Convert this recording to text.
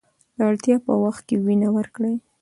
د اړتیا په وخت کې وینه ورکړئ.